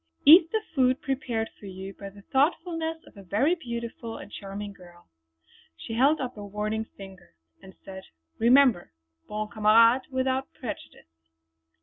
Eat the food prepared for you by the thoughtfulness of a very beautiful and charming girl!" She held up a warning finger and said: "Remember 'Bon Camarade without prejudice.'"